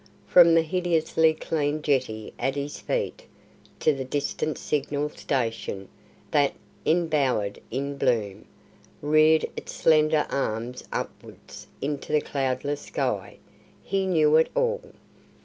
From the hideously clean jetty at his feet, to the distant signal station, that, embowered in bloom, reared its slender arms upwards into the cloudless sky, he knew it all.